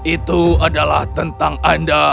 itu adalah tentang anda